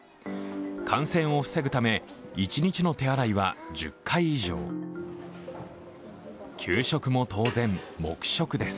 感染を防ぐため、一日の手洗いは１０回以上給食も当然、黙食です。